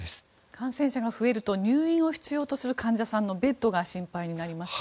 感染者が増えると入院を必要とする患者さんのベッドが心配になりますね。